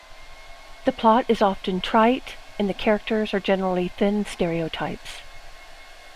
The plot is often trite, and the characters are generally thin stereotypes.